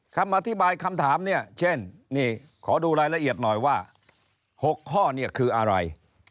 คำอธิบายคำถามเช่นขอดูรายละเอียดหน่อยว่า๖ข้อคืออะไร